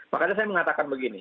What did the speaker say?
makanya saya mengatakan begini